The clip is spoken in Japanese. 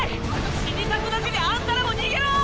死にたくなけりゃあんたらも逃げろ！